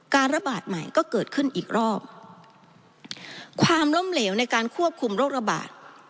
ระบาดใหม่ก็เกิดขึ้นอีกรอบความล้มเหลวในการควบคุมโรคระบาด